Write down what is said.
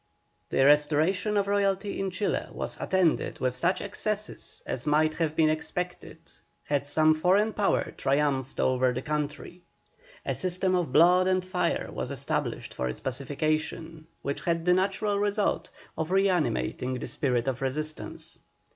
The restoration of royalty in Chile was attended with such excesses as might have been expected had some foreign power triumphed over the country. A system of blood and fire was established for its pacification, which had the natural result of reanimating the spirit of resistance.